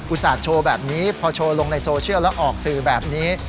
ส่าห์โชว์แบบนี้พอโชว์ลงในโซเชียลแล้วออกสื่อแบบนี้